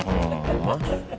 masa pakai emas